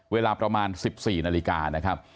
เวลาประมาณสิบสี่นาฬิกานะครับ